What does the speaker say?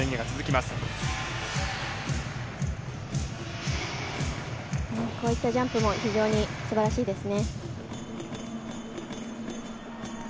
まこういったジャンプも非常にすばらしいですね。